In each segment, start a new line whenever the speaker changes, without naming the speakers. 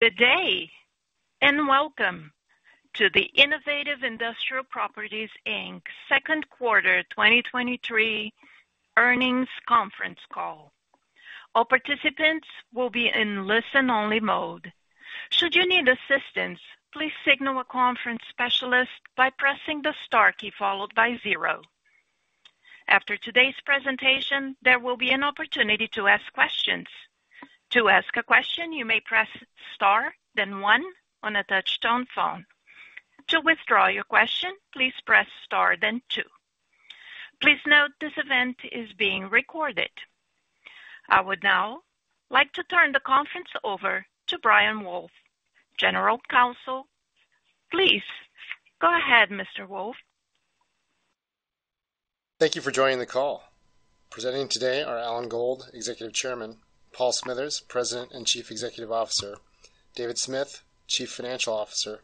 Good day, welcome to the Innovative Industrial Properties Inc's second quarter 2023 earnings conference call. All participants will be in listen-only mode. Should you need assistance, please signal a conference specialist by pressing the star key followed by zero. After today's presentation, there will be an opportunity to ask questions. To ask a question, you may press star, then one on a touchtone phone. To withdraw your question, please press star, then two. Please note this event is being recorded. I would now like to turn the conference over to Brian Wolfe, General Counsel. Please go ahead, Mr. Wolfe.
Thank you for joining the call. Presenting today are Alan Gold, Executive Chairman, Paul Smithers, President and Chief Executive Officer, David Smith, Chief Financial Officer,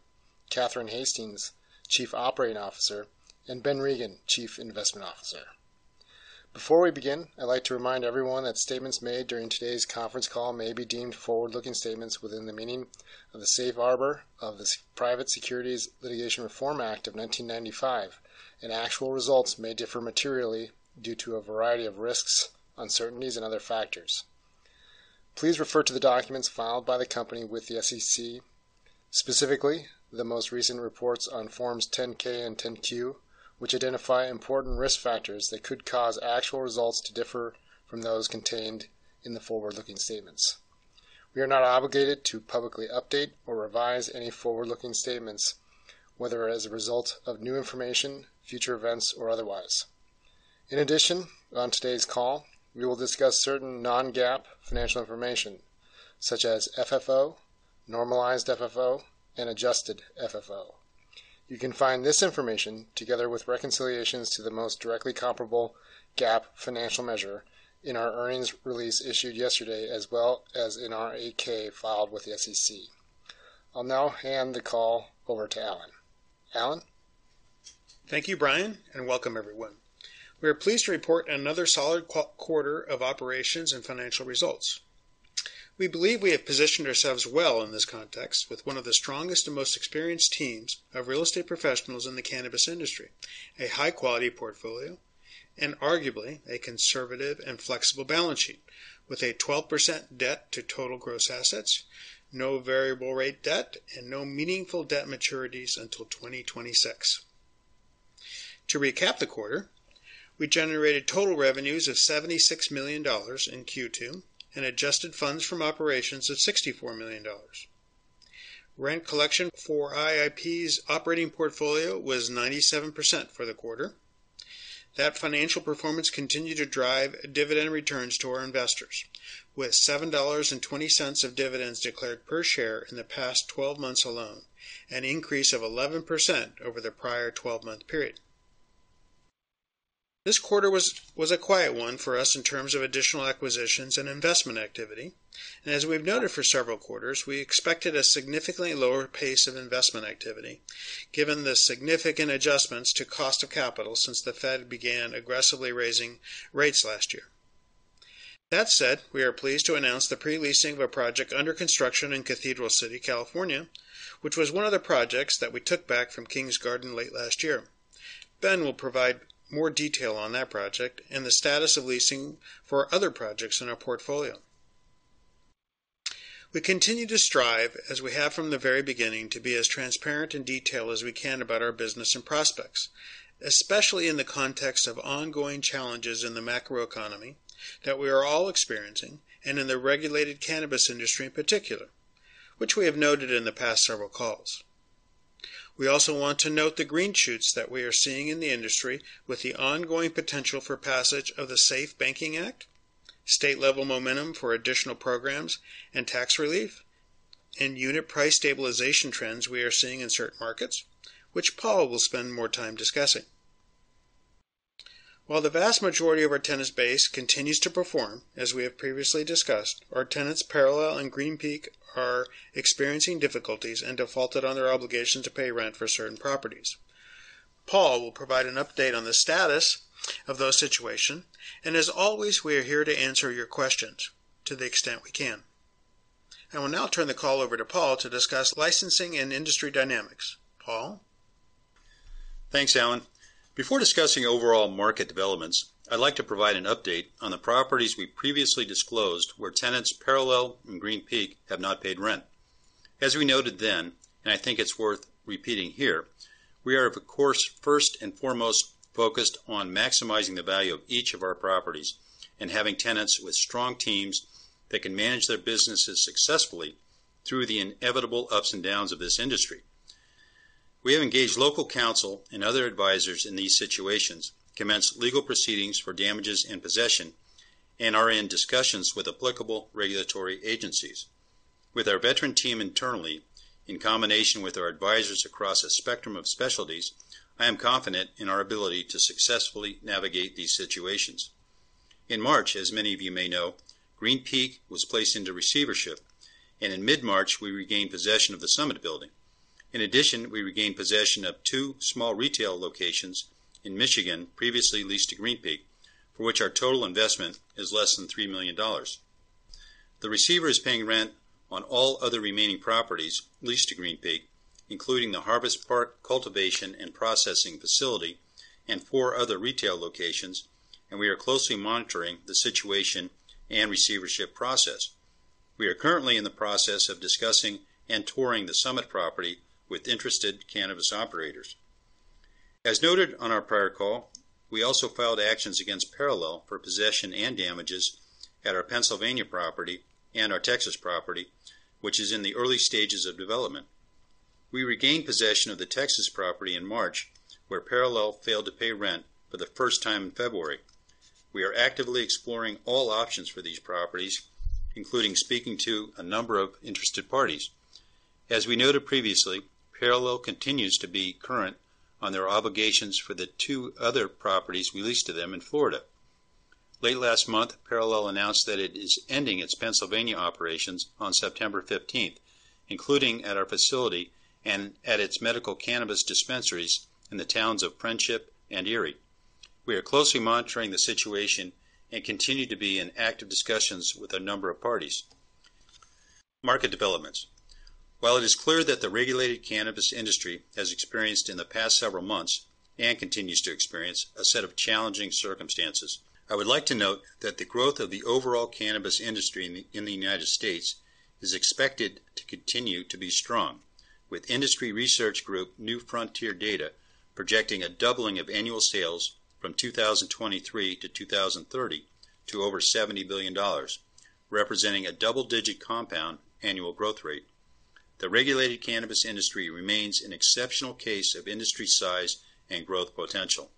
Catherine Hastings, Chief Operating Officer, and Ben Regin, Chief Investment Officer. Before we begin, I'd like to remind everyone that statements made during today's conference call may be deemed forward-looking statements within the meaning of the Safe Harbor of the Private Securities Litigation Reform Act of 1995, and actual results may differ materially due to a variety of risks, uncertainties, and other factors. Please refer to the documents filed by the company with the SEC, specifically, the most recent reports on Forms 10-K and 10-Q, which identify important risk factors that could cause actual results to differ from those contained in the forward-looking statements. We are not obligated to publicly update or revise any forward-looking statements, whether as a result of new information, future events, or otherwise. On today's call, we will discuss certain non-GAAP financial information, such as FFO, normalized FFO, and adjusted FFO. You can find this information, together with reconciliations to the most directly comparable GAAP financial measure in our earnings release issued yesterday, as well as in our 8-K filed with the SEC. I'll now hand the call over to Alan. Alan?
Thank you, Brian, welcome everyone. We are pleased to report another solid quarter of operations and financial results. We believe we have positioned ourselves well in this context with one of the strongest and most experienced teams of real estate professionals in the cannabis industry, a high-quality portfolio, and arguably a conservative and flexible balance sheet with a 12% debt to total gross assets, no variable rate debt, and no meaningful debt maturities until 2026. To recap the quarter, we generated total revenues of $76 million in Q2 and Adjusted Funds From Operations of $64 million. Rent collection for IIP's operating portfolio was 97% for the quarter. That financial performance continued to drive dividend returns to our investors, with $7.20 of dividends declared per share in the past 12 months alone, an increase of 11% over the prior 12-month period. This quarter was a quiet one for us in terms of additional acquisitions and investment activity. As we've noted for several quarters, we expected a significantly lower pace of investment activity, given the significant adjustments to cost of capital since the Fed began aggressively raising rates last year. That said, we are pleased to announce the pre-leasing of a project under construction in Cathedral City, California, which was one of the projects that we took back from Kings Garden late last year. Ben will provide more detail on that project and the status of leasing for other projects in our portfolio. We continue to strive, as we have from the very beginning, to be as transparent and detailed as we can about our business and prospects, especially in the context of ongoing challenges in the macroeconomy that we are all experiencing and in the regulated cannabis industry in particular, which we have noted in the past several calls. We also want to note the green shoots that we are seeing in the industry with the ongoing potential for passage of the SAFE Banking Act, state-level momentum for additional programs and tax relief, and unit price stabilization trends we are seeing in certain markets, which Paul will spend more time discussing. While the vast majority of our tenants base continues to perform, as we have previously discussed, our tenants, Parallel and Green Peak, are experiencing difficulties and defaulted on their obligation to pay rent for certain properties. Paul will provide an update on the status of those situation. As always, we are here to answer your questions to the extent we can. I will now turn the call over to Paul to discuss licensing and industry dynamics. Paul?
Thanks, Alan. Before discussing overall market developments, I'd like to provide an update on the properties we previously disclosed, where tenants, Parallel and Green Peak, have not paid rent. As we noted then, and I think it's worth repeating here, we are, of course, first and foremost, focused on maximizing the value of each of our properties and having tenants with strong teams that can manage their businesses successfully through the inevitable ups and downs of this industry. We have engaged local counsel and other advisors in these situations, commenced legal proceedings for damages and possession, and are in discussions with applicable regulatory agencies. With our veteran team internally, in combination with our advisors across a spectrum of specialties, I am confident in our ability to successfully navigate these situations. In March, as many of you may know, Green Peak was placed into receivership, and in mid-March, we regained possession of the Summit Building. In addition, we regained possession of two small retail locations in Michigan, previously leased to Green Peak, for which our total investment is less than $3 million. The receiver is paying rent on all other remaining properties leased to Green Peak, including the Harvest Park cultivation and processing facility and four other retail locations, and we are closely monitoring the situation and receivership process. We are currently in the process of discussing and touring the Summit property with interested cannabis operators. As noted on our prior call, we also filed actions against Parallel for possession and damages at our Pennsylvania property and our Texas property, which is in the early stages of development. We regained possession of the Texas property in March, where Parallel failed to pay rent for the first time in February. We are actively exploring all options for these properties, including speaking to a number of interested parties. As we noted previously, Parallel continues to be current on their obligations for the two other properties we leased to them in Florida. Late last month, Parallel announced that it is ending its Pennsylvania operations on September 15th, including at our facility and at its medical cannabis dispensaries in the towns of Friendship and Erie. We are closely monitoring the situation and continue to be in active discussions with a number of parties. Market developments. While it is clear that the regulated cannabis industry has experienced in the past several months, and continues to experience, a set of challenging circumstances, I would like to note that the growth of the overall cannabis industry in the United States is expected to continue to be strong, with industry research group, New Frontier Data, projecting a doubling of annual sales from 2023 to 2030 to over $70 billion, representing a double-digit compound annual growth rate. The regulated cannabis industry remains an exceptional case of industry size and growth potential.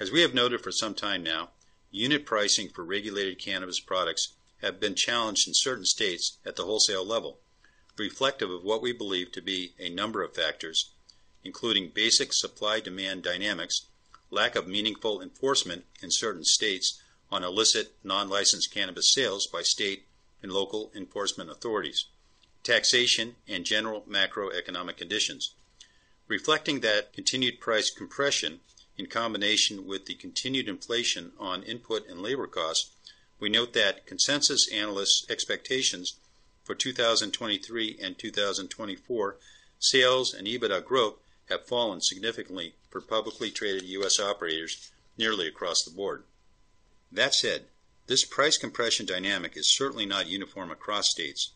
As we have noted for some time now, unit pricing for regulated cannabis products have been challenged in certain states at the wholesale level, reflective of what we believe to be a number of factors, including basic supply-demand dynamics, lack of meaningful enforcement in certain states on illicit, non-licensed cannabis sales by state and local enforcement authorities, taxation and general macroeconomic conditions. Reflecting that continued price compression, in combination with the continued inflation on input and labor costs, we note that consensus analysts' expectations for 2023 and 2024 sales and EBITDA growth have fallen significantly for publicly traded U.S. operators nearly across the board. That said, this price compression dynamic is certainly not uniform across states,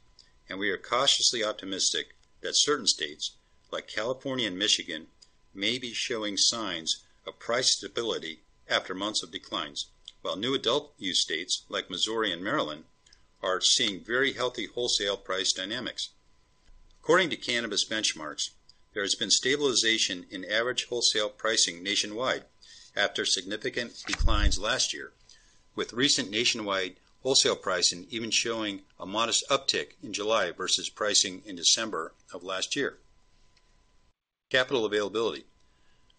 and we are cautiously optimistic that certain states, like California and Michigan, may be showing signs of price stability after months of declines, while new adult use states like Missouri and Maryland are seeing very healthy wholesale price dynamics. According to Cannabis Benchmarks, there has been stabilization in average wholesale pricing nationwide after significant declines last year, with recent nationwide wholesale pricing even showing a modest uptick in July versus pricing in December of last year. Capital availability.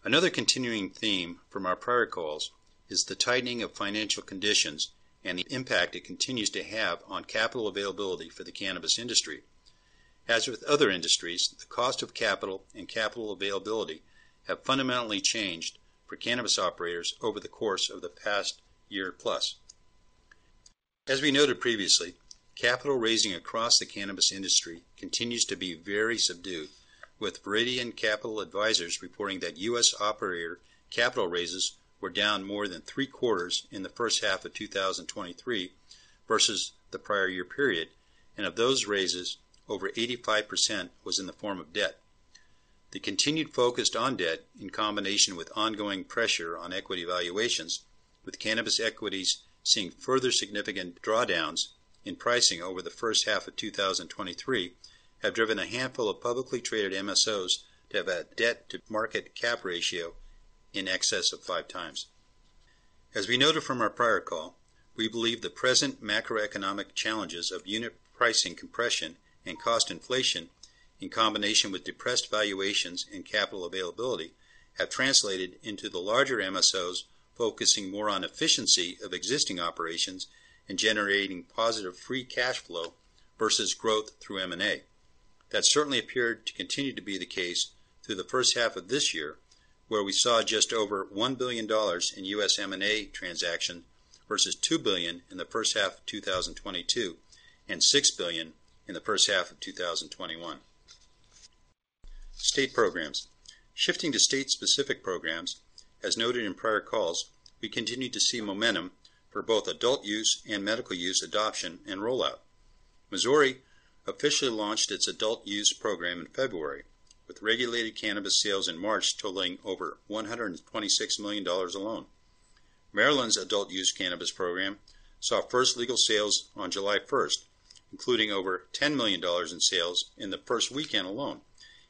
Another continuing theme from our prior calls is the tightening of financial conditions and the impact it continues to have on capital availability for the cannabis industry. As with other industries, the cost of capital and capital availability have fundamentally changed for cannabis operators over the course of the past year plus. As we noted previously, capital raising across the cannabis industry continues to be very subdued, with Viridian Capital Advisors reporting that U.S. operator capital raises were down more than 75% in the first half of 2023 versus the prior year period, and of those raises, over 85% was in the form of debt. The continued focus on debt, in combination with ongoing pressure on equity valuations, with cannabis equities seeing further significant drawdowns in pricing over the first half of 2023, have driven a handful of publicly traded MSOs to have a debt-to-market cap ratio in excess of 5x. As we noted from our prior call, we believe the present macroeconomic challenges of unit pricing compression and cost inflation, in combination with depressed valuations and capital availability, have translated into the larger MSOs focusing more on efficiency of existing operations and generating positive free cash flow versus growth through M&A. That certainly appeared to continue to be the case through the first half of this year, where we saw just over $1 billion in U.S. M&A transaction versus $2 billion in the first half of 2022, and $6 billion in the first half of 2021. State programs. Shifting to state-specific programs, as noted in prior calls, we continue to see momentum for both adult use and medical use adoption and rollout. Missouri officially launched its adult-use program in February, with regulated cannabis sales in March totaling over $126 million alone. Maryland's adult-use cannabis program saw 1st legal sales on July 1st, including over $10 million in sales in the first weekend alone.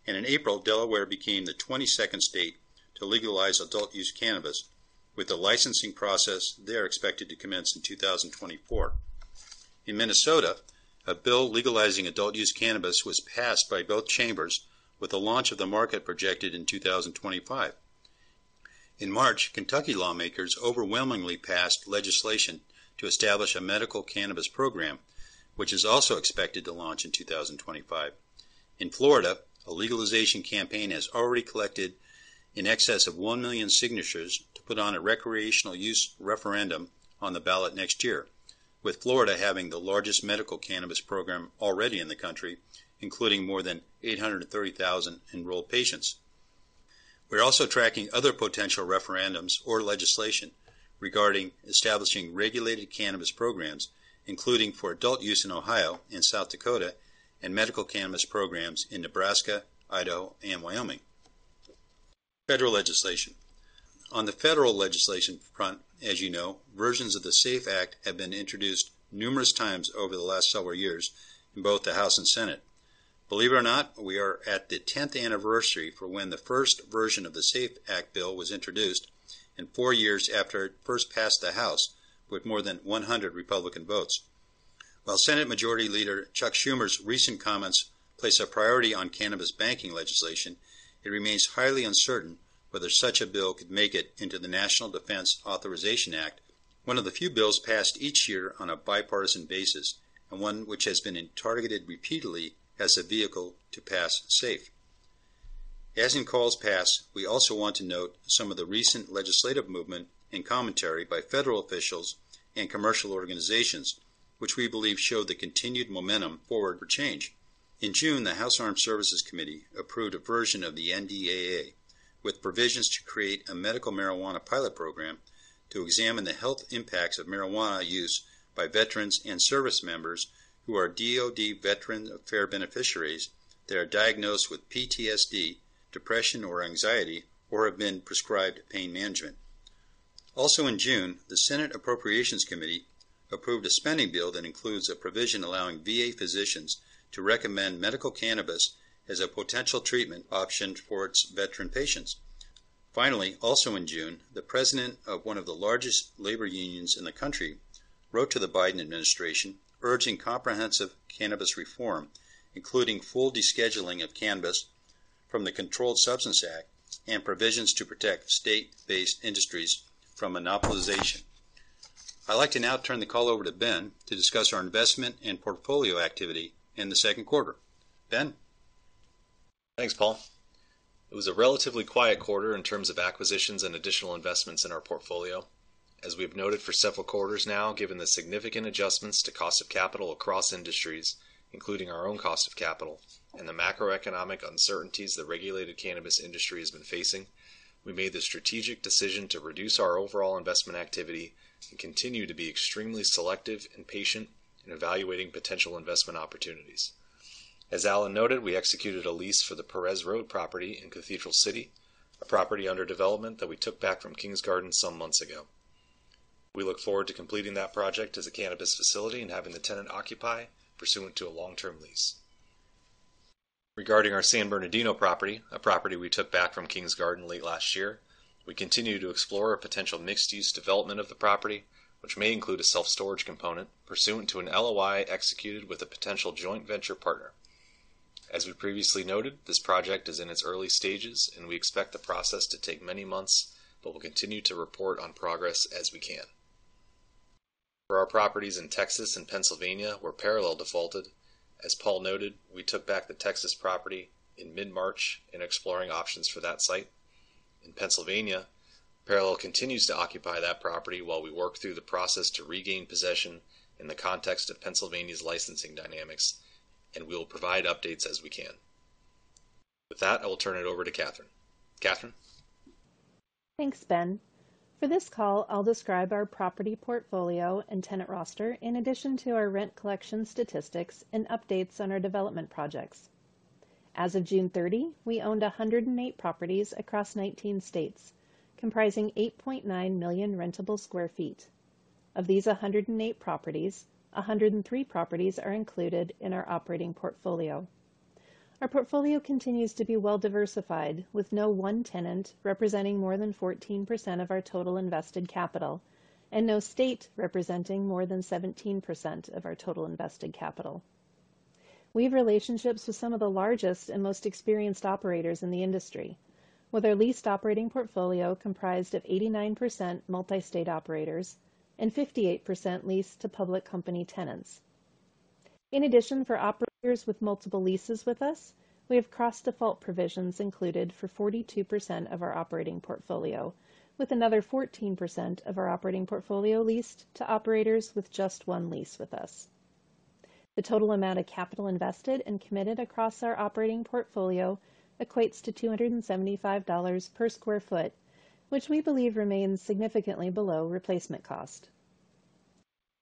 In April, Delaware became the 22nd state to legalize adult-use cannabis, with the licensing process there expected to commence in 2024. In Minnesota, a bill legalizing adult-use cannabis was passed by both chambers, with the launch of the market projected in 2025. In March, Kentucky lawmakers overwhelmingly passed legislation to establish a medical cannabis program, which is also expected to launch in 2025. In Florida, a legalization campaign has already collected in excess of 1 million signatures to put on a recreational use referendum on the ballot next year, with Florida having the largest medical cannabis program already in the country, including more than 830,000 enrolled patients. We're also tracking other potential referendums or legislation regarding establishing regulated cannabis programs, including for adult use in Ohio and South Dakota, and medical cannabis programs in Nebraska, Idaho, and Wyoming. Federal legislation. On the Federal legislation front, as you know, versions of the SAFE Act have been introduced numerous times over the last several years in both the House and Senate. Believe it not, we are at the 10th anniversary for when the first version of the SAFE Act bill was introduced and four years after it first passed the House with more than 100 Republican votes. While Senate Majority Leader Chuck Schumer's recent comments place a priority on cannabis banking legislation, it remains highly uncertain whether such a bill could make it into the National Defense Authorization Act, one of the few bills passed each year on a bipartisan basis and one which has been targeted repeatedly as a vehicle to pass SAFE. As in calls past, we also want to note some of the recent legislative movement and commentary by federal officials and commercial organizations, which we believe show the continued momentum forward for change. In June, the House Armed Services Committee approved a version of the NDAA with provisions to create a medical marijuana pilot program to examine the health impacts of marijuana use by veterans and service members who are DoD Veterans Affairs beneficiaries that are diagnosed with PTSD, depression, or anxiety, or have been prescribed pain management. In June, the Senate Appropriations Committee approved a spending bill that includes a provision allowing VA physicians to recommend medical cannabis as a potential treatment option for its veteran patients. Finally, in June, the president of one of the largest labor unions in the country wrote to the Biden administration urging comprehensive cannabis reform, including full descheduling of cannabis from the Controlled Substances Act and provisions to protect state-based industries from monopolization. I'd like to now turn the call over to Ben to discuss our investment and portfolio activity in the second quarter. Ben?
Thanks, Paul. It was a relatively quiet quarter in terms of acquisitions and additional investments in our portfolio. As we've noted for several quarters now, given the significant adjustments to cost of capital across industries, including our own cost of capital and the macroeconomic uncertainties the regulated cannabis industry has been facing, we made the strategic decision to reduce our overall investment activity and continue to be extremely selective and patient in evaluating potential investment opportunities. As Alan noted, we executed a lease for the Perez Road property in Cathedral City, a property under development that we took back from Kings Garden some months ago. We look forward to completing that project as a cannabis facility and having the tenant occupy pursuant to a long-term lease. Regarding our San Bernardino property, a property we took back from Kings Garden late last year, we continue to explore a potential mixed-use development of the property, which may include a self-storage component pursuant to an LOI executed with a potential joint venture partner. As we previously noted, this project is in its early stages. We expect the process to take many months, but we'll continue to report on progress as we can. For our properties in Texas and Pennsylvania, where Parallel defaulted, as Paul noted, we took back the Texas property in mid-March and exploring options for that site. In Pennsylvania, Parallel continues to occupy that property while we work through the process to regain possession in the context of Pennsylvania's licensing dynamics, and we will provide updates as we can. With that, I will turn it over to Catherine. Catherine?
Thanks, Ben. For this call, I'll describe our property portfolio and tenant roster in addition to our rent collection statistics and updates on our development projects. As of June 30, we owned 108 properties across 19 states, comprising 8.9 million rentable sq ft. Of these 108 properties, 103 properties are included in our operating portfolio. Our portfolio continues to be well-diversified, with no one tenant representing more than 14% of our total invested capital and no state representing more than 17% of our total invested capital. We have relationships with some of the largest and most experienced operators in the industry, with our leased operating portfolio comprised of 89% Multi-State Operators and 58% leased to public company tenants. In addition, for operators with multiple leases with us, we have cross-default provisions included for 42% of our operating portfolio, with another 14% of our operating portfolio leased to operators with just one lease with us. The total amount of capital invested and committed across our operating portfolio equates to $275 per sq ft, which we believe remains significantly below replacement cost.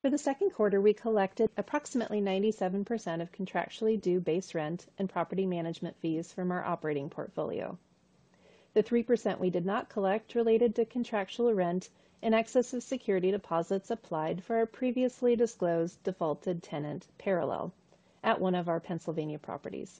For the second quarter, we collected approximately 97% of contractually due base rent and property management fees from our operating portfolio. The 3% we did not collect related to contractual rent in excess of security deposits applied for our previously disclosed defaulted tenant, Parallel, at one of our Pennsylvania properties.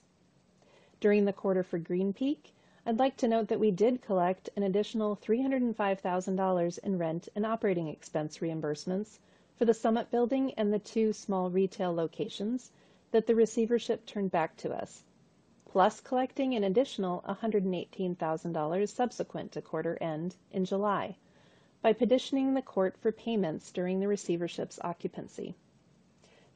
During the quarter for Green Peak, I'd like to note that we did collect an additional $305,000 in rent and operating expense reimbursements for the Summit Building and the two small retail locations that the receivership turned back to us, plus collecting an additional $118,000 subsequent to quarter end in July, by petitioning the court for payments during the receivership's occupancy.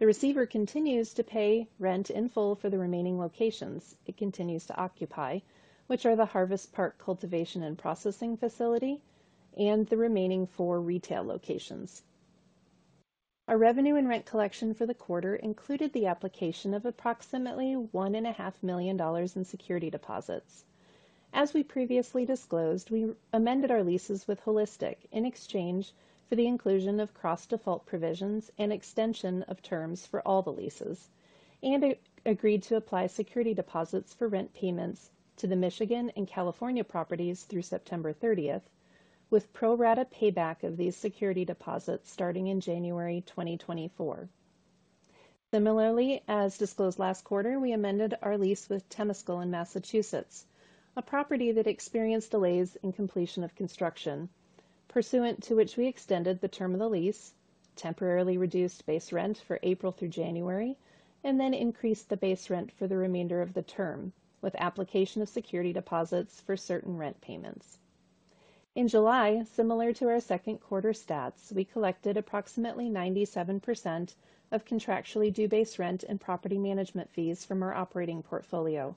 The receiver continues to pay rent in full for the remaining locations it continues to occupy, which are the Harvest Park cultivation and processing facility and the remaining four retail locations. Our revenue and rent collection for the quarter included the application of approximately $1.5 million in security deposits. As we previously disclosed, we amended our leases with Holistic in exchange for the inclusion of cross-default provisions and extension of terms for all the leases and agreed to apply security deposits for rent payments to the Michigan and California properties through September 30th, with pro rata payback of these security deposits starting in January 2024. Similarly, as disclosed last quarter, we amended our lease with Temescal in Massachusetts, a property that experienced delays in completion of construction, pursuant to which we extended the term of the lease, temporarily reduced base rent for April through January, then increased the base rent for the remainder of the term, with application of security deposits for certain rent payments. In July, similar to our second quarter stats, we collected approximately 97% of contractually due base rent and property management fees from our operating portfolio,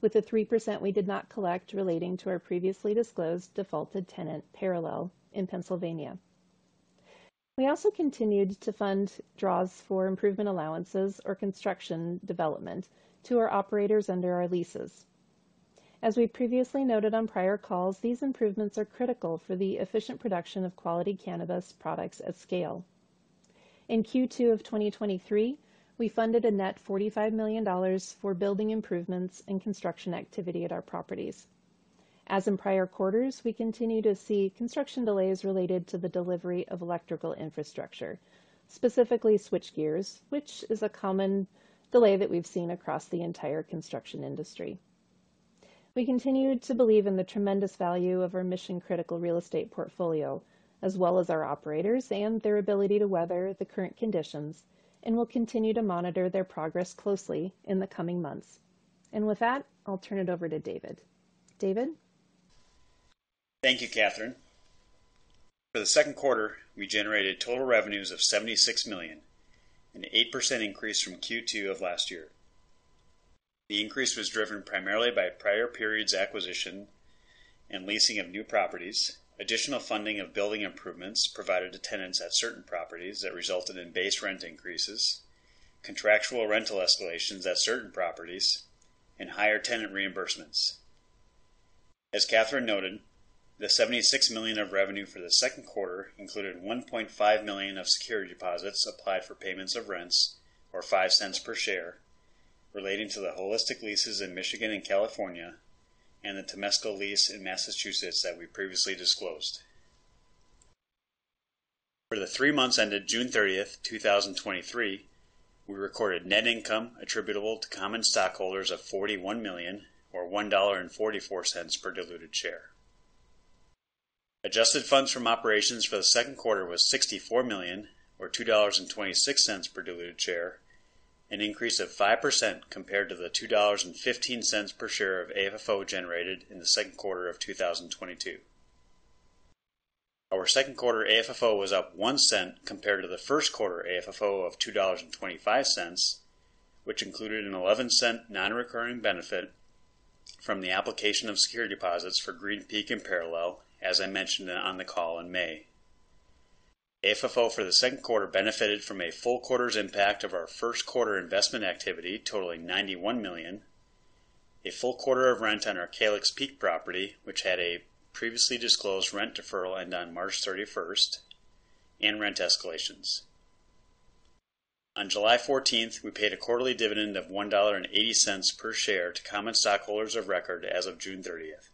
with the 3% we did not collect relating to our previously disclosed defaulted tenant, Parallel, in Pennsylvania. We also continued to fund draws for improvement allowances or construction development to our operators under our leases. As we previously noted on prior calls, these improvements are critical for the efficient production of quality cannabis products at scale. In Q2 of 2023, we funded a net $45 million for building improvements and construction activity at our properties. As in prior quarters, we continue to see construction delays related to the delivery of electrical infrastructure, specifically switchgears, which is a common delay that we've seen across the entire construction industry. We continue to believe in the tremendous value of our mission-critical real estate portfolio, as well as our operators and their ability to weather the current conditions, and will continue to monitor their progress closely in the coming months. With that, I'll turn it over to David. David?
Thank you, Catherine. For the second quarter, we generated total revenues of $76 million, an 8% increase from Q2 of last year. The increase was driven primarily by prior periods acquisition and leasing of new properties, additional funding of building improvements provided to tenants at certain properties that resulted in base rent increases, contractual rental escalations at certain properties, and higher tenant reimbursements. As Catherine noted, the $76 million of revenue for the second quarter included $1.5 million of security deposits applied for payments of rents, or $0.05 per share, relating to the Holistic Industries leases in Michigan and California and the Temescal Wellness lease in Massachusetts that we previously disclosed. For the three months ended June 30th, 2023, we recorded net income attributable to common stockholders of $41 million or $1.44 per diluted share. Adjusted Funds From Operations for the second quarter was $64 million or $2.26 per diluted share, an increase of 5% compared to the $2.15 per share of AFFO generated in the second quarter of 2022. Our second quarter AFFO was up $0.01 compared to the first quarter AFFO of $2.25, which included an $0.11 non-recurring benefit from the application of security deposits for Green Peak and Parallel, as I mentioned on the call in May. AFFO for the second quarter benefited from a full quarter's impact of our first quarter investment activity, totaling $91 million, a full quarter of rent on our Calyx Peak property, which had a previously disclosed rent deferral end on March 31st, and rent escalations. On July 14th, we paid a quarterly dividend of $1.80 per share to common stockholders of record as of June 30th,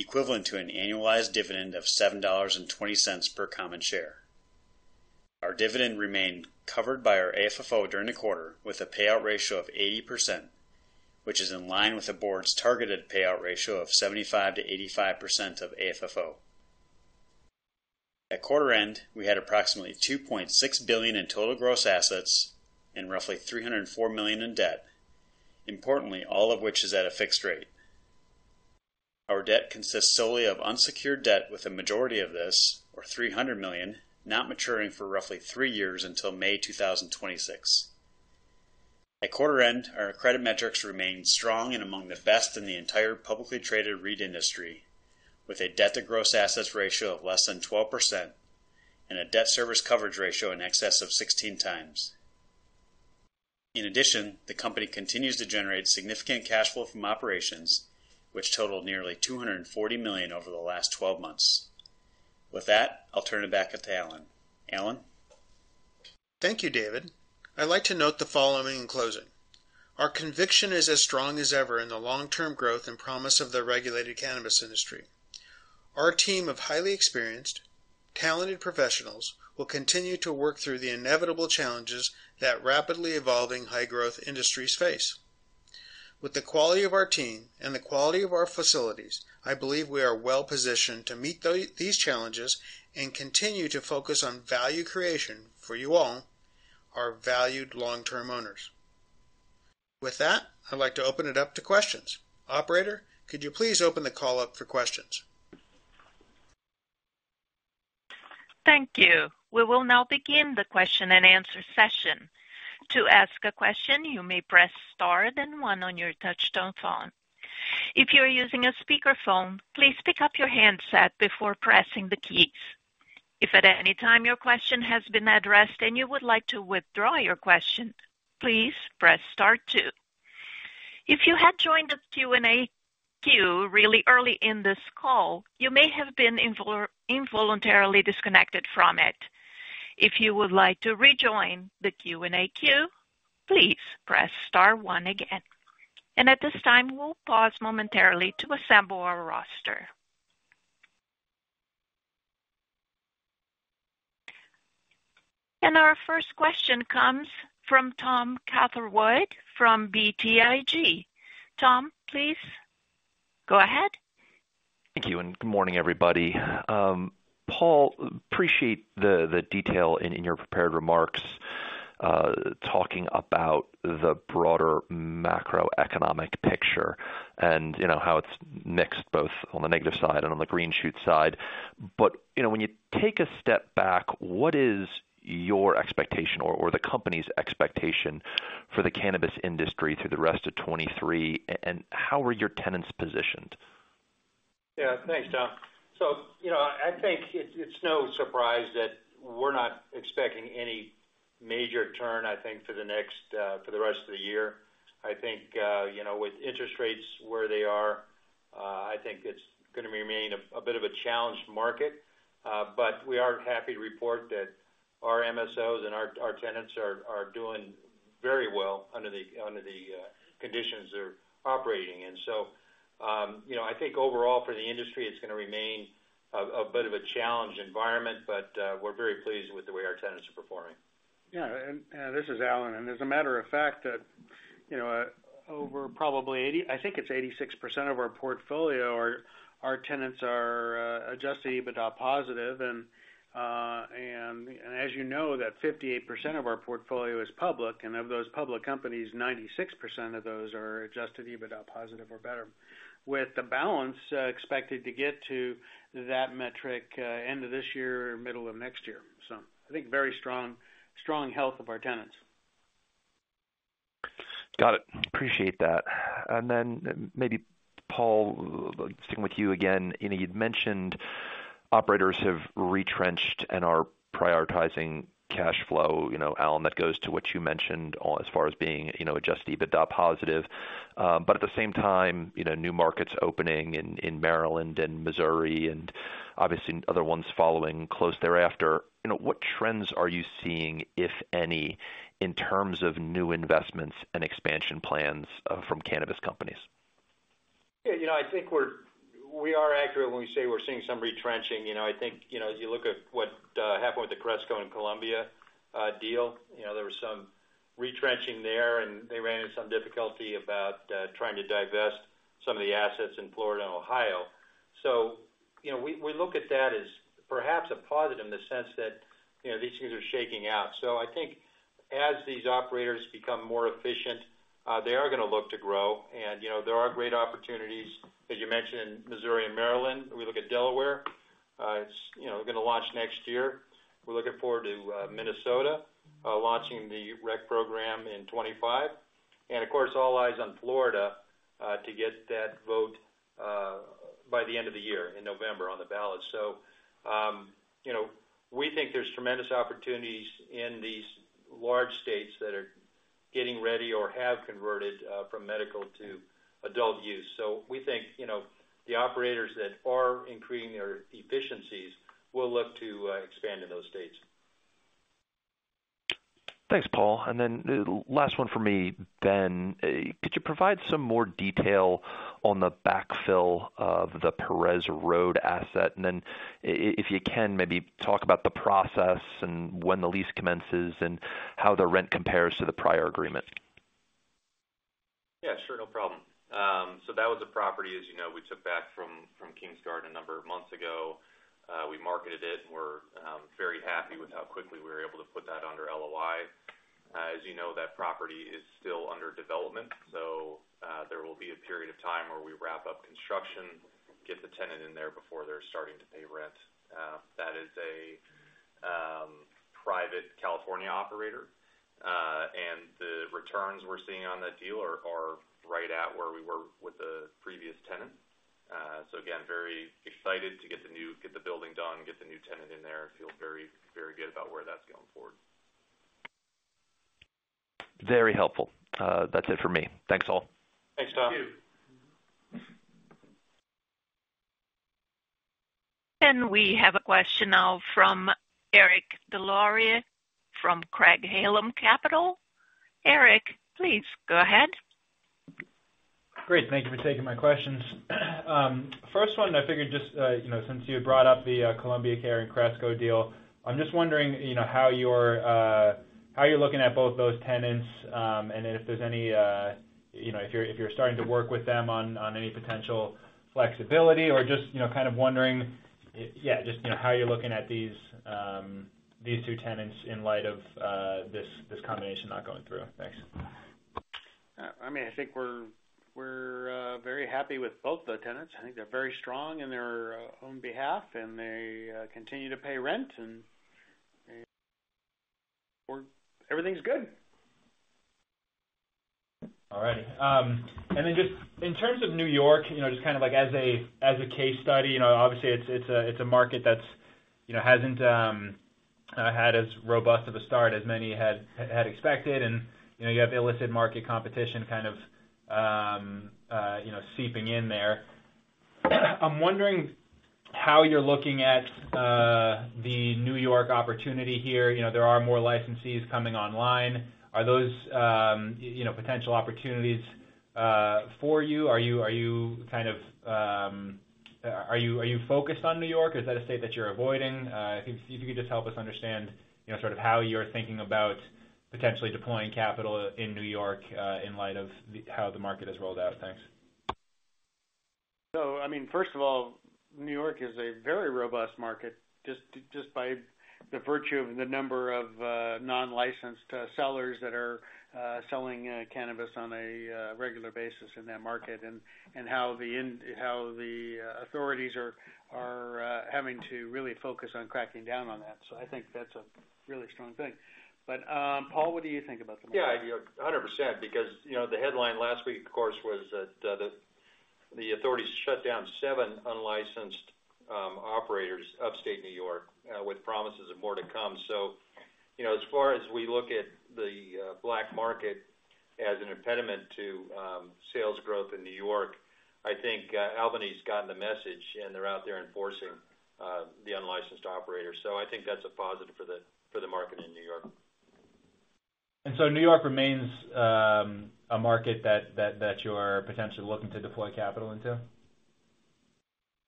equivalent to an annualized dividend of $7.20 per common share. Our dividend remained covered by our AFFO during the quarter, with a payout ratio of 80%, which is in line with the board's targeted payout ratio of 75%-85% of AFFO. At quarter end, we had approximately $2.6 billion in total gross assets and roughly $304 million in debt, importantly, all of which is at a fixed rate. Our debt consists solely of unsecured debt, with the majority of this, or $300 million, not maturing for roughly three years until May 2026. At quarter end, our credit metrics remained strong and among the best in the entire publicly traded REIT industry, with a debt to gross assets ratio of less than 12% and a debt service coverage ratio in excess of 16x. In addition, the company continues to generate significant cash flow from operations, which totaled nearly $240 million over the last 12 months. With that, I'll turn it back to Alan. Alan?
Thank you, David. I'd like to note the following in closing. Our conviction is as strong as ever in the long-term growth and promise of the regulated cannabis industry. Our team of highly experienced, talented professionals will continue to work through the inevitable challenges that rapidly evolving, high-growth industries face. With the quality of our team and the quality of our facilities, I believe we are well positioned to meet these challenges and continue to focus on value creation for you all our valued long-term owners. With that, I'd like to open it up to questions. Operator, could you please open the call up for questions?
Thank you. We will now begin the question-and-answer session. To ask a question, you may press star, then one on your touchtone phone. If you are using a speakerphone, please pick up your handset before pressing the keys. If at any time your question has been addressed and you would like to withdraw your question, please press star two. If you had joined the Q&A queue really early in this call, you may have been involuntarily disconnected from it. If you would like to rejoin the Q&A queue, please press star one again. At this time, we'll pause momentarily to assemble our roster. Our first question comes from Tom Catherwood, from BTIG. Tom, please go ahead.
Thank you, and good morning, everybody. Paul, appreciate the, the detail in, in your prepared remarks, talking about the broader macroeconomic picture and, you know, how it's mixed, both on the negative side and on the green shoot side. But, you know, when you take a step back, what is your expectation or, or the company's expectation for the cannabis industry through the rest of 2023, and how are your tenants positioned?
Yeah, thanks, Tom. You know, I think it's, it's no surprise that we're not expecting any major turn, I think, for the next, for the rest of the year. I think, you know, with interest rates where they are, I think it's gonna remain a, a bit of a challenged market, but we are happy to report that our MSOs and our, our tenants are, are doing very well under the, under the conditions they're operating in. You know, I think overall for the industry, it's gonna remain a, a bit of a challenged environment, but we're very pleased with the way our tenants are performing.
Yeah, this is Alan, and as a matter of fact, that, you know, over probably 86% of our portfolio, our tenants are adjusted EBITDA positive. As you know, 58% of our portfolio is public, and of those public companies, 96% of those are adjusted EBITDA positive or better, with the balance expected to get to that metric end of this year or middle of next year. I think very strong, strong health of our tenants.
Got it. Appreciate that. Maybe, Paul, staying with you again, you know, you'd mentioned operators have retrenched and are prioritizing cash flow. You know, Alan, that goes to what you mentioned on, as far as being, you know, adjusted EBITDA positive. At the same time, you know, new markets opening in Maryland and Missouri and obviously other ones following close thereafter, you know, what trends are you seeing, if any, in terms of new investments and expansion plans from cannabis companies?
Yeah, you know, I think we are accurate when we say we're seeing some retrenching. You know, I think, you know, as you look at what happened with the Cresco and Columbia deal, you know, there was some retrenching there, and they ran into some difficulty about trying to divest some of the assets in Florida and Ohio. You know, we, we look at that as perhaps a positive in the sense that, you know, these things are shaking out. I think as these operators become more efficient, they are gonna look to grow. You know, there are great opportunities, as you mentioned, in Missouri and Maryland. We look at Delaware, it's, you know, gonna launch next year. We're looking forward to Minnesota launching the rec program in 2025. Of course, all eyes on Florida to get that vote by the end of the year in November on the ballot. You know, we think there's tremendous opportunities in these large states that are getting ready or have converted from medical to adult use. We think, you know, the operators that are increasing their efficiencies will look to expand in those states.
Thanks, Paul. Then the last one for me, Ben, could you provide some more detail on the backfill of the Perez Road asset? Then if you can, maybe talk about the process and when the lease commences and how the rent compares to the prior agreement.
Yeah, sure. No problem. That was a property, as you know, we took back from, from Kings Garden a number of months ago. We marketed it, and we're very happy with how quickly we were able to put that under LOI. As you know, that property is still under development, so there will be a period of time where we wrap up construction, get the tenant in there before they're starting to pay rent. That is a private California operator, and the returns we're seeing on that deal are right at where we were with the previous tenant. Very excited to get the building done, get the new tenant in there, and feel very, very good about where that's going forward.
Very helpful. That's it for me. Thanks, all.
Thanks, Tom.
Thank you.
We have a question now from Eric Des Lauriers, from Craig-Hallum Capital. Eric, please go ahead.
Great. Thank you for taking my questions. First one, I figured just, you know, since you brought up the Columbia Care and Cresco deal, I'm just wondering, you know, how you're, how you're looking at both those tenants, and if there's any, you know, if you're, if you're starting to work with them on, on any potential flexibility or just, you know, kind of wondering, yeah, just, you know, how you're looking at these, these two tenants in light of this, this combination not going through. Thanks.
I mean, I think we're very happy with both the tenants. I think they're very strong in their own behalf, and they continue to pay rent, and everything's good.
All right. Then just in terms of New York, you know, just kind of like as a, as a case study, you know, obviously, it's, it's a, it's a market that's, you know, hasn't kind of had as robust of a start as many had, had expected. You know, you have illicit market competition kind of, you know, seeping in there. I'm wondering how you're looking at the New York opportunity here. You know, there are more licensees coming online. Are those, you know, potential opportunities for you? Are you, are you kind of, are you, are you focused on New York? Is that a state that you're avoiding? If you, if you could just help us understand, you know, sort of how you're thinking about potentially deploying capital in New York, in light of the, how the market has rolled out. Thanks.
I mean, first of all, New York is a very robust market, just, just by the virtue of the number of non-licensed sellers that are selling cannabis on a regular basis in that market, and how the authorities are having to really focus on cracking down on that. I think that's a really strong thing. Paul, what do you think about the market?
Yeah, idea 100%, because, you know, the headline last week, of course, was that the authorities shut down seven unlicensed operators, upstate New York, with promises of more to come. You know, as far as we look at the black market as an impediment to sales growth in New York, I think Albany's gotten the message, and they're out there enforcing the unlicensed operators. I think that's a positive for the market in New York.
New York remains a market that, that, that you're potentially looking to deploy capital into?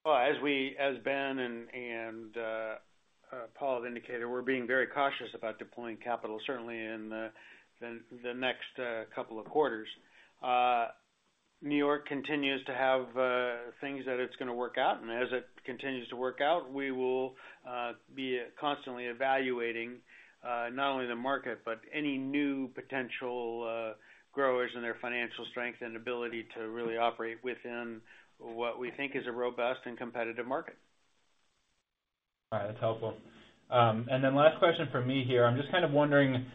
Well, as we-- as Ben and, and Paul have indicated, we're being very cautious about deploying capital, certainly in the next couple of quarters. New York continues to have things that it's gonna work out, and as it continues to work out, we will be constantly evaluating not only the market, but any new potential growers and their financial strength and ability to really operate within what we think is a robust and competitive market.
All right. That's helpful. Last question from me here. I'm just kind of wondering,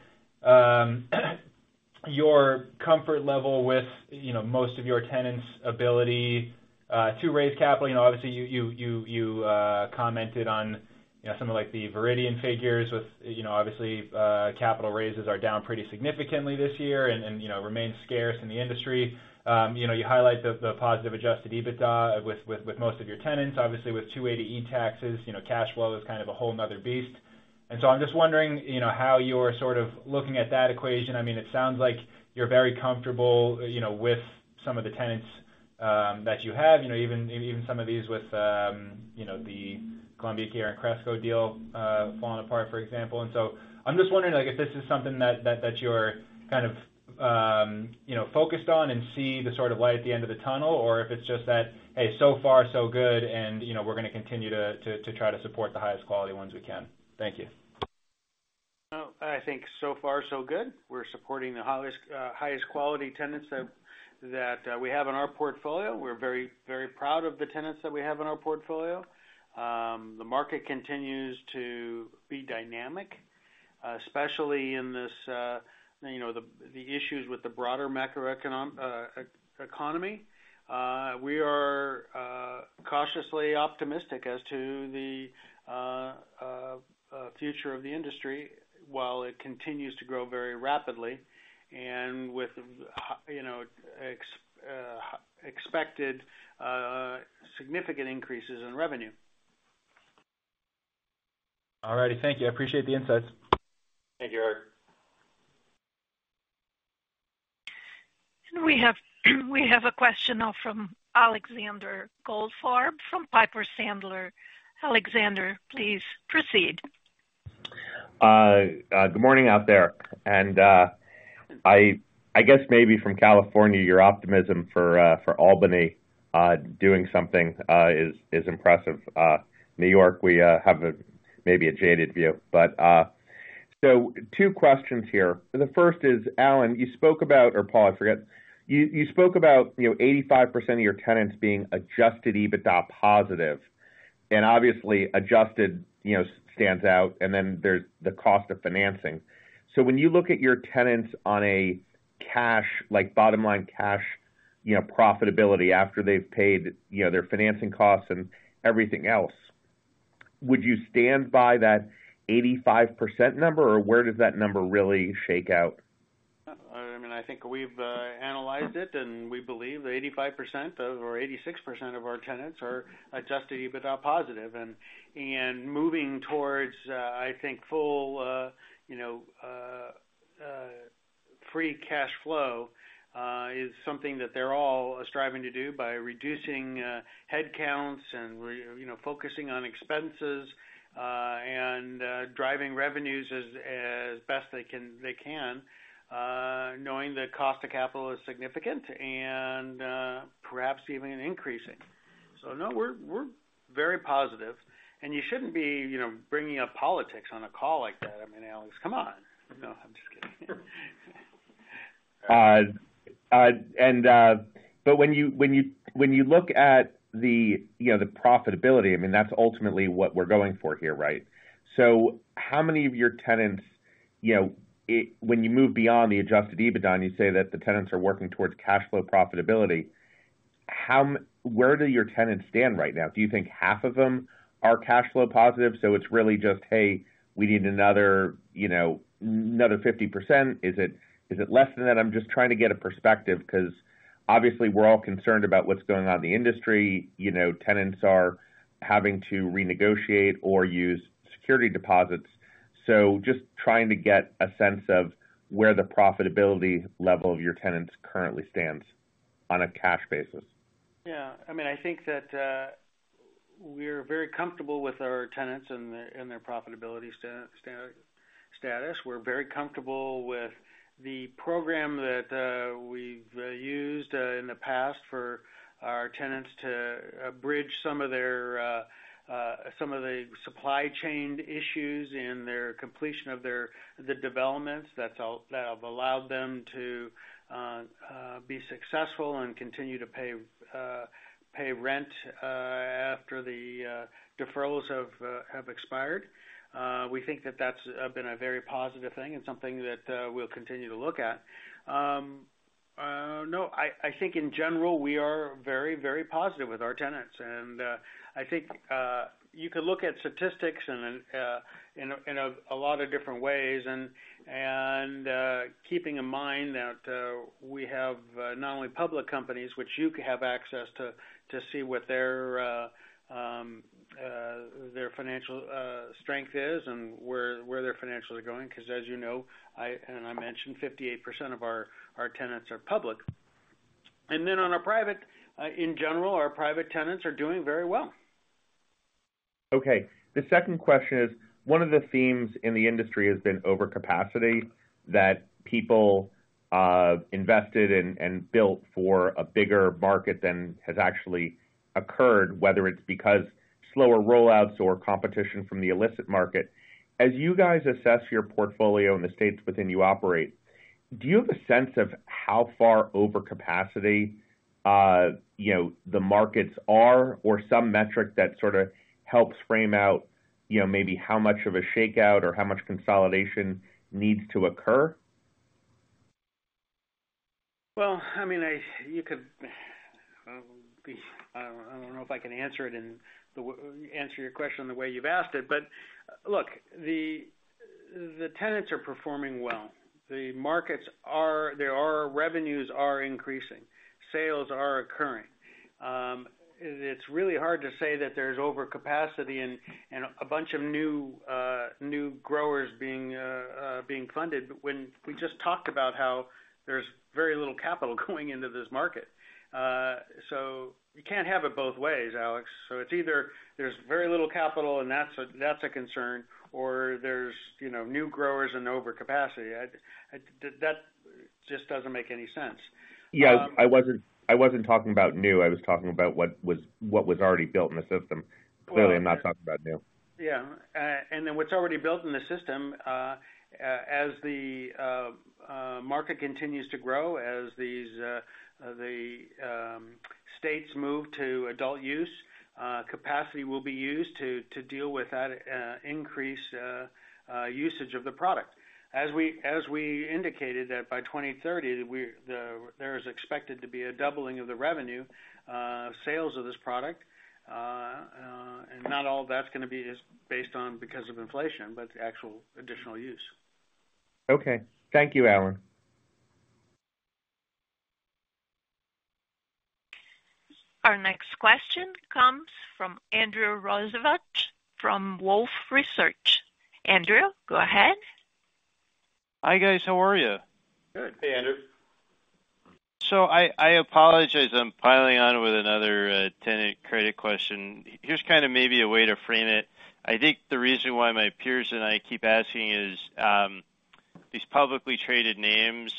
your comfort level with, you know, most of your tenants' ability to raise capital. You know, obviously, you, you, you, you commented on, you know, something like the Viridian figures with, you know, obviously, capital raises are down pretty significantly this year and, and, you know, remain scarce in the industry. You know, you highlight the, the positive adjusted EBITDA with, with, with most of your tenants. Obviously, with 280E taxes, you know, cash flow is kind of a whole another beast. So I'm just wondering, you know, how you're sort of looking at that equation. I mean, it sounds like you're very comfortable, you know, with some of the tenants, that you have, you know, even, even some of these with, you know, the Columbia Care and Cresco deal, falling apart, for example. So I'm just wondering, like, if this is something that, that, that you're kind of, you know, focused on and see the sort of light at the end of the tunnel, or if it's just that, hey, so far so good, and, you know, we're gonna continue to, to, to try to support the highest quality ones we can. Thank you.
Well, I think so far so good. We're supporting the highest, highest quality tenants that, that, we have in our portfolio. We're very, very proud of the tenants that we have in our portfolio. The market continues to be dynamic, especially in this, you know, the, the issues with the broader macroeconomic economy. We are cautiously optimistic as to the future of the industry, while it continues to grow very rapidly and with, you know, expected significant increases in revenue.
All righty. Thank you. I appreciate the insights.
Thank you, Eric.
We have, we have a question now from Alexander Goldfarb, from Piper Sandler. Alexander, please proceed.
Good morning out there. I guess maybe from California, your optimism for Albany doing something is impressive. New York, we have a maybe a jaded view, but two questions here. The first is, Alan, you spoke about, or Paul, I forget. You spoke about, you know, 85% of your tenants being adjusted EBITDA positive, and obviously adjusted, you know, stands out, and then there's the cost of financing. When you look at your tenants on a cash, like bottom line cash, you know, profitability after they've paid, you know, their financing costs and everything else, would you stand by that 85% number, or where does that number really shake out?
Uh, I mean, I think we've, uh, analyzed it, and we believe that eighty-five percent of, or eighty-six percent of our tenants are adjusted EBITDA positive. And, and moving towards, uh, I think, full, uh, you know, uh, uh, free cash flow, uh, is something that they're all striving to do by reducing, uh, headcounts and re- you know, focusing on expenses, uh-... and, uh, driving revenues as, as best they can, they can, uh, knowing the cost of capital is significant and, uh, perhaps even increasing. So no, we're, we're very positive, and you shouldn't be, you know, bringing up politics on a call like that. I mean, Alex, come on! No, I'm just kidding.
When you, when you, when you look at the, you know, the profitability, I mean, that's ultimately what we're going for here, right? How many of your tenants, you know, when you move beyond the adjusted EBITDA, and you say that the tenants are working towards cash flow profitability, where do your tenants stand right now? Do you think half of them are cash flow positive, so it's really just, "Hey, we need another, you know, another 50%?" Is it, is it less than that? I'm just trying to get a perspective, 'cause obviously, we're all concerned about what's going on in the industry. You know, tenants are having to renegotiate or use security deposits. Just trying to get a sense of where the profitability level of your tenants currently stands on a cash basis.
Yeah. I mean, I think that we're very comfortable with our tenants and their, and their profitability status. We're very comfortable with the program that we've used in the past for our tenants to bridge some of their some of the supply chain issues and their completion of their, the developments that have allowed them to be successful and continue to pay pay rent after the deferrals have expired. We think that that's been a very positive thing and something that we'll continue to look at. No, I, I think in general, we are very, very positive with our tenants, and I think you could look at statistics in a in a lot of different ways. Keeping in mind that we have not only public companies, which you have access to, to see what their financial strength is and where their financials are going, because, as you know, I, and I mentioned, 58% of our tenants are public. Then on our private, in general, our private tenants are doing very well.
Okay. The second question is, one of the themes in the industry has been overcapacity, that people invested and, and built for a bigger market than has actually occurred, whether it's because slower rollouts or competition from the illicit market. As you guys assess your portfolio in the states within you operate, do you have a sense of how far over capacity, you know, the markets are or some metric that sort of helps frame out, you know, maybe how much of a shakeout or how much consolidation needs to occur?
Well, I mean, I, you could be I don't, I don't know if I can answer it in the answer your question in the way you've asked it. Look, the, the tenants are performing well. The markets are, there are. Revenues are increasing. Sales are occurring. It, it's really hard to say that there's overcapacity and, and a bunch of new, new growers being, being funded, when we just talked about how there's very little capital going into this market. You can't have it both ways, Alex. It's either there's very little capital, and that's a, that's a concern, or there's, you know, new growers and overcapacity. I, I, that just doesn't make any sense.
Yeah, I wasn't, I wasn't talking about new. I was talking about what was, what was already built in the system.
Well-
Clearly, I'm not talking about new.
Yeah. Then what's already built in the system, as the market continues to grow, as these the states move to adult use, capacity will be used to deal with that increase usage of the product. As we, as we indicated, that by 2030, there is expected to be a doubling of the revenue sales of this product, and not all that's gonna be just based on because of inflation, but actual additional use.
Okay. Thank you, Alan.
Our next question comes from Andrew Rosivach, from Wolfe Research. Andrew, go ahead.
Hi, guys. How are you?
Good. Hey, Andrew.
I, I apologize. I'm piling on with another tenant credit question. Here's kind of maybe a way to frame it. I think the reason why my peers and I keep asking is, these publicly traded names,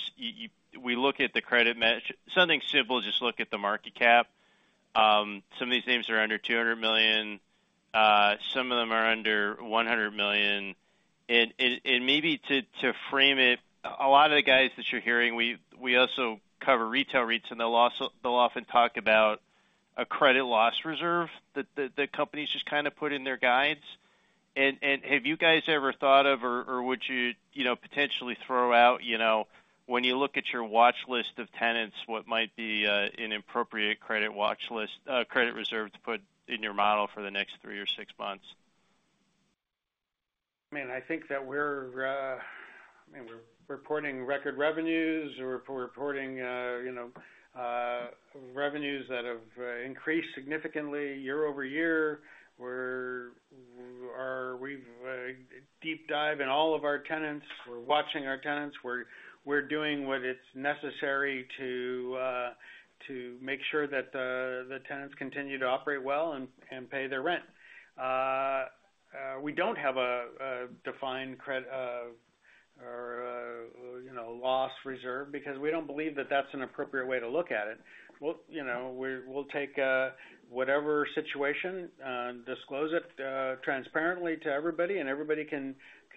we look at the credit metric. Something simple, just look at the market cap. Some of these names are under $200 million, some of them are under $100 million. Maybe to, to frame it, a lot of the guys that you're hearing, we, we also cover retail REITs, and they'll often talk about a credit loss reserve that the, the companies just kind of put in their guides. Have you guys ever thought of or, or would you, you know, potentially throw out, you know, when you look at your watch list of tenants, what might be an appropriate credit watch list, credit reserve to put in your model for the next three or six months?
I mean, I think that we're reporting record revenues. We're reporting, you know, revenues that have increased significantly year over year. We're, we've deep dive in all of our tenants. We're watching our tenants. We're, we're doing what it's necessary to make sure that the, the tenants continue to operate well and, and pay their rent. We don't have a defined you know, loss reserve, because we don't believe that that's an appropriate way to look at it. We'll, you know, we'll take whatever situation, disclose it transparently to everybody, and everybody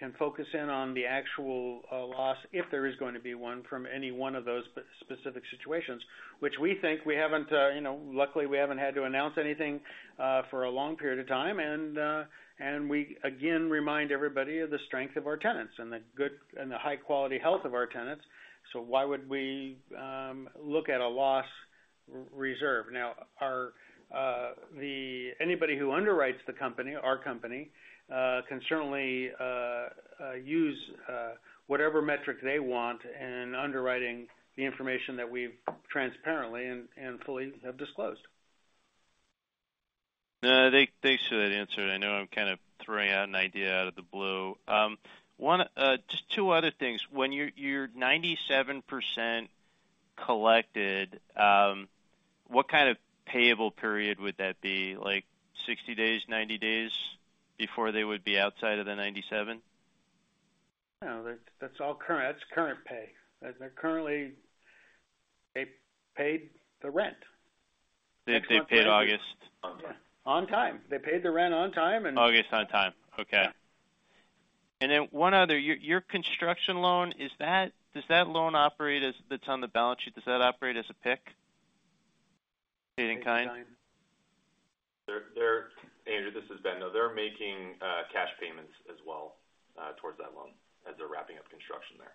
can focus in on the actual loss, if there is going to be one from any one of those specific situations. Which we think we haven't, you know, luckily, we haven't had to announce anything for a long period of time. We, again, remind everybody of the strength of our tenants and the good and the high quality health of our tenants. Why would we look at a loss reserve? Now, anybody who underwrites the company, our company, can certainly use whatever metric they want in underwriting the information that we've transparently and fully have disclosed.
Thanks for that answer. I know I'm kind of throwing out an idea out of the blue. One, just two other things. When your, your 97% collected, what kind of payable period would that be? Like, 60 days, 90 days before they would be outside of the 97?
No, that's, that's all current. That's current pay. They're currently... They paid the rent.
They paid August.
On time. They paid the rent on time.
August on time. Okay.
Yeah.
Then one other, your, your construction loan, does that loan operate as, That's on the balance sheet, does that operate as a PIK, paying kind?
They're, Andrew, this is Ben. No, they're making cash payments as well, towards that loan as they're wrapping up construction there.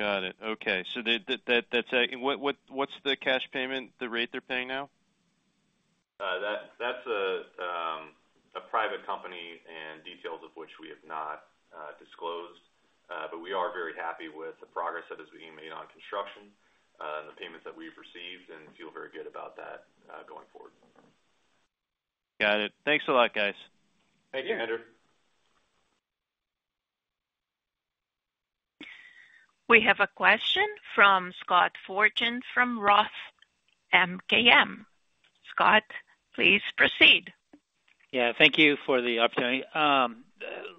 Got it. Okay. They, that's... What, what, what's the cash payment, the rate they're paying now?
That, that's a private company, and details of which we have not disclosed. We are very happy with the progress that is being made on construction, and the payments that we've received, and feel very good about that going forward.
Got it. Thanks a lot, guys.
Thank you.
Thank you, Andrew.
We have a question from Scott Fortune, from Roth MKM. Scott, please proceed.
Yeah, thank you for the opportunity.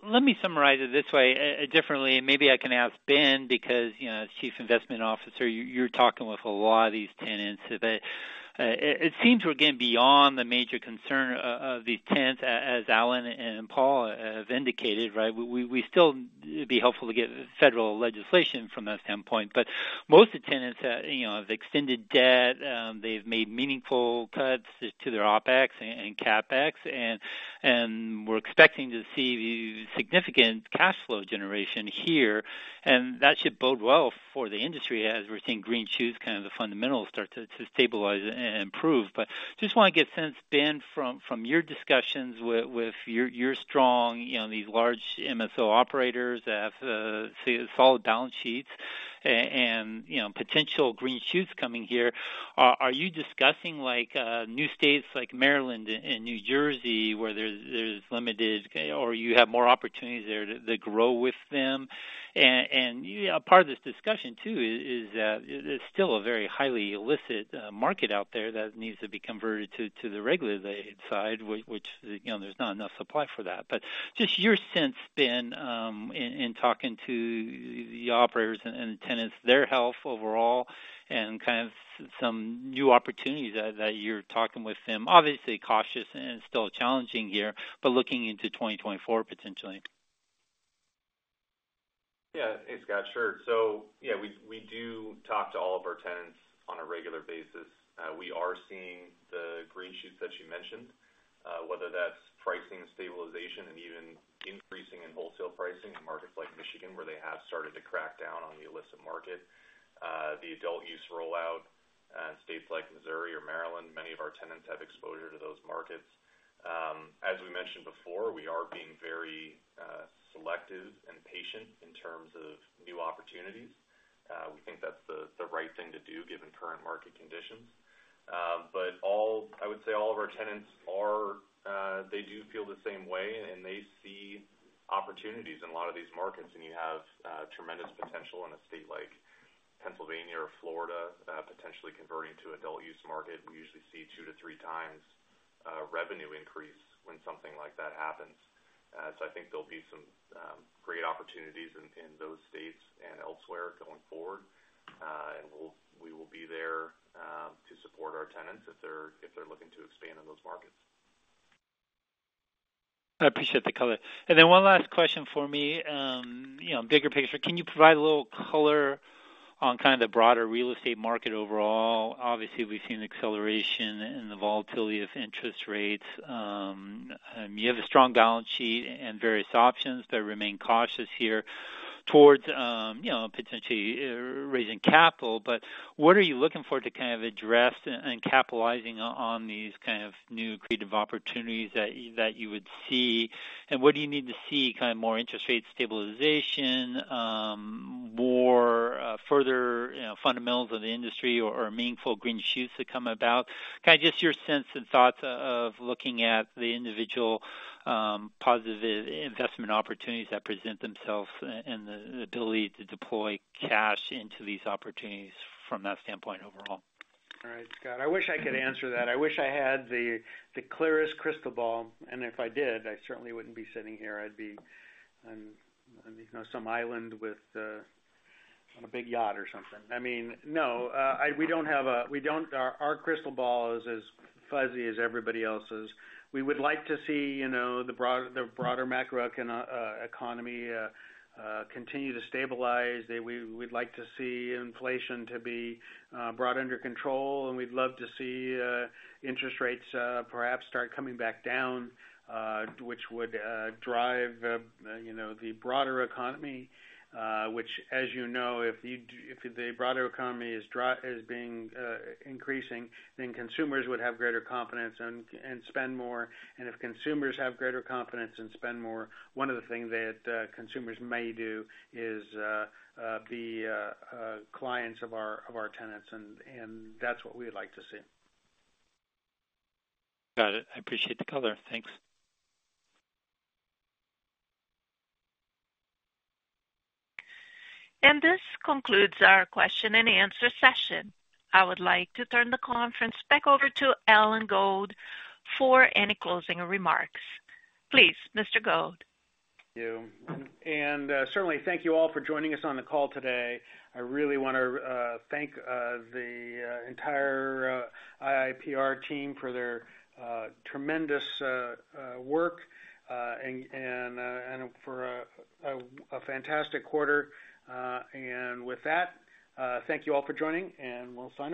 Let me summarize it this way, differently, and maybe I can ask Ben Regin, because, you know, as Chief Investment Officer, you, you're talking with a lot of these tenants. It, it seems we're getting beyond the major concern of these tenants, as Alan Gold and Paul Smithers have indicated, right? It'd be helpful to get federal legislation from that standpoint. Most of the tenants, you know, have extended debt, they've made meaningful cuts to their OpEx and CapEx, we're expecting to see significant cash flow generation here, and that should bode well for the industry as we're seeing green shoots, kind of the fundamentals start to stabilize and improve. Just want to get a sense, Ben Regin, from, from your discussions with, with your, your strong, you know, these large MSOs that have, say, solid balance sheets and, you know, potential green shoots coming here. Are, are you discussing, like, new states like Maryland and New Jersey, where there's, there's limited, or you have more opportunities there to, to grow with them? And, you know, part of this discussion, too, is, is, there's still a very highly illicit market out there that needs to be converted to, to the regulated side, which, you know, there's not enough supply for that. Just your sense, Ben Regin, in, in talking to the operators and, and tenants, their health overall and kind of some new opportunities that, that you're talking with them. Obviously, cautious and still challenging here, but looking into 2024, potentially.
Yeah. Hey, Scott, sure. Yeah, we, we do talk to all of our tenants on a regular basis. We are seeing the green shoots that you mentioned, whether that's pricing stabilization and even increasing in wholesale pricing in markets like Michigan, where they have started to crack down on the illicit market. The adult use rollout in states like Missouri or Maryland, many of our tenants have exposure to those markets. As we mentioned before, we are being very selective and patient in terms of new opportunities. We think that's the right thing to do given current market conditions. All, I would say all of our tenants are, they do feel the same way, and they see opportunities in a lot of these markets. You have tremendous potential in a state like Pennsylvania or Florida, potentially converting to adult use market. We usually see 2x to 3x revenue increase when something like that happens. I think there'll be some great opportunities in those states and elsewhere going forward. We'll, we will be there to support our tenants if they're, if they're looking to expand in those markets.
I appreciate the color. One last question for me, you know, bigger picture. Can you provide a little color on kind of the broader real estate market overall? Obviously, we've seen acceleration in the volatility of interest rates. You have a strong balance sheet and various options, but remain cautious here towards, you know, potentially raising capital. What are you looking for to kind of address and capitalizing on these kind of new creative opportunities that you, that you would see? What do you need to see, kind of more interest rate stabilization, more further, you know, fundamentals of the industry or, or meaningful green shoots that come about? Kind of just your sense and thoughts of looking at the individual, positive investment opportunities that present themselves and the ability to deploy cash into these opportunities from that standpoint overall.
All right, Scott, I wish I could answer that. I wish I had the, the clearest crystal ball, and if I did, I certainly wouldn't be sitting here. I'd be on, on, you know, some island with, on a big yacht or something. I mean, no. Our, our crystal ball is as fuzzy as everybody else's. We would like to see, you know, the broad, the broader macro econ, economy, continue to stabilize. We, we'd like to see inflation to be, brought under control, and we'd love to see, interest rates, perhaps start coming back down, which would, drive, you know, the broader economy, which, as you know, if you if the broader economy is being, increasing, then consumers would have greater confidence and, and spend more. If consumers have greater confidence and spend more, one of the things that consumers may do is be clients of our, of our tenants, and, and that's what we would like to see.
Got it. I appreciate the color. Thanks.
This concludes our question and answer session. I would like to turn the conference back over to Alan Gold for any closing remarks. Please, Mr. Gold.
Thank you. Certainly, thank you all for joining us on the call today. I really want to thank the entire IIPR team for their tremendous work and for a fantastic quarter. With that, thank you all for joining, and we'll talk soon.